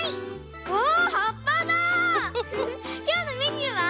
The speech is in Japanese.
きょうのメニューは？